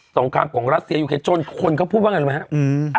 สงครามของรัสเซียยูเครนคนเขาพูดบ้างอย่างนึงไหมฮะอืม